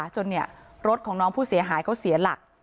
รถของน้องผู้เสียหายเขาเสียหลัก